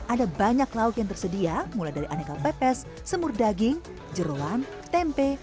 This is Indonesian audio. ada banyak lauk yang tersedia mulai dari aneka pepes semur daging jeruan tempe